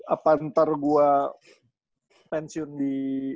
apalagi ntar gua pensiun di